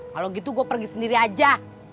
kalau gitu gue pergi sendiri aja